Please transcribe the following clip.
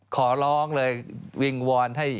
ขอร้องเลยวิงวอนให้